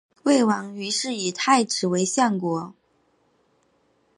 魏王于是以太子为相国。